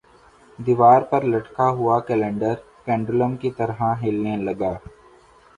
دیوار پر لٹکا ہوا کیلنڈر پنڈولم کی طرح ہلنے لگا